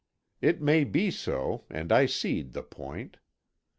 It may be so, and I cede the point.